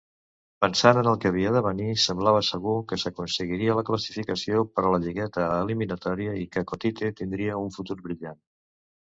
Pensant en el que havia de venir, semblava segur que s'aconseguiria la classificació per a la lligueta eliminatòria i que Kotite tindria un futur brillant.